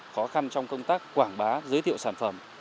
khó khăn trong công tác quảng bá giới thiệu sản phẩm